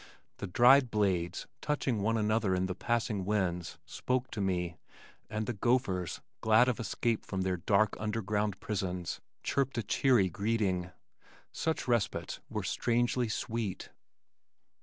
The dried blades touching one another in the passing winds, spoke to me, and the gophers, glad of escape from their dark, underground prisons, chirped a cheery greeting. Such respites were strangely sweet.